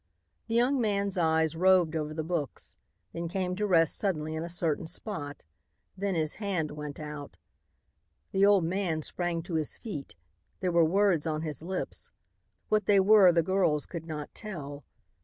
The young man's eyes roved over the books, then came to rest suddenly in a certain spot. Then his hand went out. The old man sprang to his feet. There were words on his lips. What they were the girls could not tell.